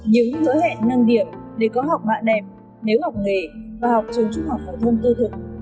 những hứa hẹn nâng điểm để có học mạng đẹp nếu học nghề và học trường trung học hậu thân tư thực